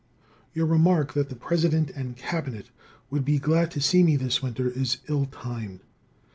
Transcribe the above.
Your remark that the president and cabinet would be glad to see me this winter is ill timed.